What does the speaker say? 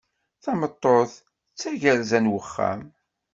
Tameṭṭut d tagersa n uxxam.